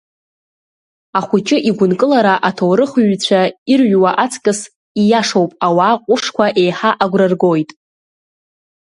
Ахәыҷы игәынкылара аҭоурыхҩҩцәа ирыҩуа аҵкьыс ииашоуп ауаа ҟәышқәа еиҳа агәра ргоит…